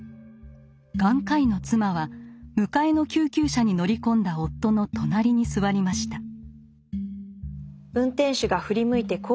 眼科医の妻は迎えの救急車に乗り込んだ夫の隣に座りました。